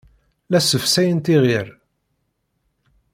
La ssefsayent iɣir.